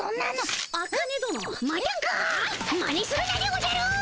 まねするなでおじゃる！